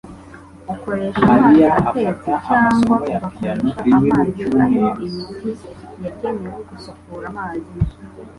ukoresha amazi atetse cyangwa ugakoresha amazi arimo imiti yagenewe gusukura amazi